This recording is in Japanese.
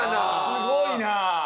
すごいな！